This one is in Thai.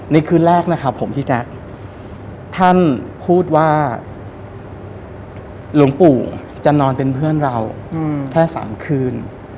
คืนแรกนะครับผมพี่แจ๊คท่านพูดว่าหลวงปู่จะนอนเป็นเพื่อนเราแค่๓คืน